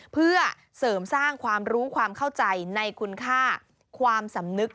เพื่อเสริมสร้างความรู้ความเข้าใจในคุณค่าความสำนึก